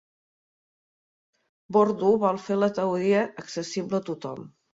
Bordo vol "fer la teoria accessible a tothom".